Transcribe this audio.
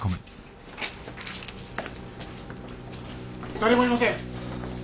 誰もいません。